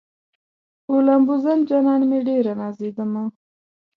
په لامبوزن جانان مې ډېره نازېدمه